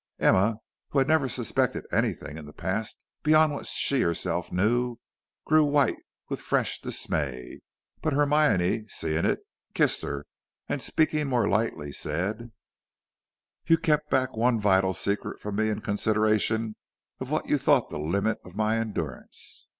Emma, who had never suspected anything in the past beyond what she herself knew, grew white with fresh dismay. But Hermione, seeing it, kissed her, and, speaking more lightly, said: "You kept back one vital secret from me in consideration of what you thought the limit of my endurance.